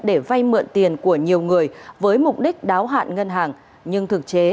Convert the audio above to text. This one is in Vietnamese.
để vay mượn tiền của nhiều người với mục đích đáo hạn ngân hàng